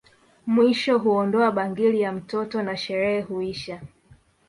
Mwisho huondoa bangili ya mtoto na sherehe huisha